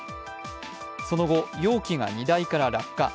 その後、容器が荷台から落下。